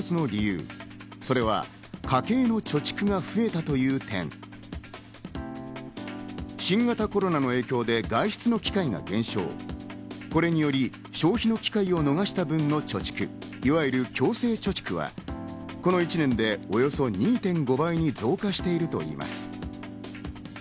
黒田総裁が上げた、もう一つの理由、それは家計の貯蓄が増えたという、新型コロナの影響で外出の機会が減少、これにより消費の機会を逃した分の貯蓄、いわゆる強制貯蓄はこの１年でおよそ２．５倍に増加しているといいます。